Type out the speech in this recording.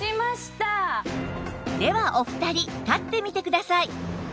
ではお二人立ってみてください